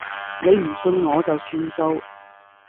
你唔信我就算數